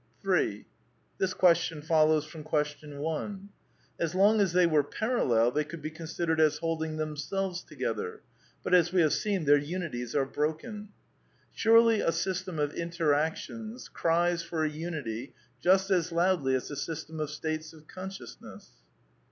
(3) (This question follows from Question 1.) As long as they were parallel they could be considered as holding them selves together; but, as we have seen, their unities are broken. Surely a system of interactions cries for a unity just as loudly as a system of states of consciousness